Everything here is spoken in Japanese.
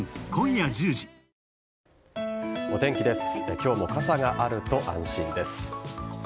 今日も傘があると安心です。